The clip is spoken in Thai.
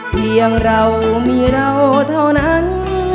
เพียงเรามีเราเท่านั้น